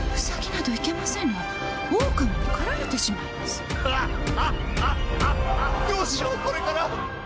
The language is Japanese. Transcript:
どうしよう、これから！